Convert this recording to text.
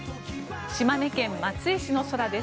島根県松江市の空です。